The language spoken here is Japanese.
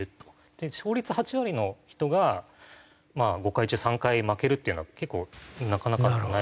勝率８割の人がまあ５回中３回負けるっていうのは結構なかなかない事。